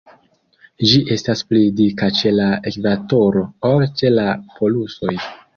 Ĝi estas pli dika ĉe la ekvatoro ol ĉe la polusoj.